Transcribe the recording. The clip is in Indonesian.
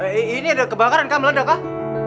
eh ini ada kebakaran kak meledak kak